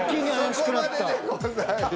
そこまででございます。